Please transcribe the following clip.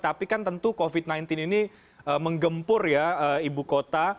tapi kan tentu covid sembilan belas ini menggempur ya ibu kota